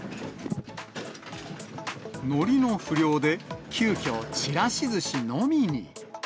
のりの不漁で、急きょ、ちらしずしのみに。